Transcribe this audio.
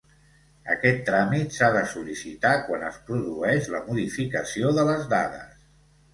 Aquest tràmit s'ha de sol·licitar quan es produeix la modificació de les dades.